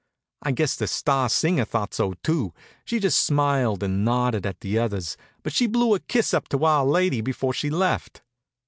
I guess the star singer thought so, too. She'd just smiled and nodded at the others, but she blew a kiss up to our lady before she left.